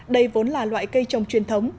đây vốn là loại cây trồng truyền thống